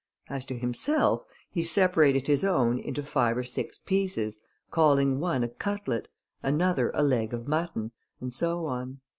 As to himself, he separated his own into five or six pieces, calling one a cutlet, another a leg of mutton, and so on.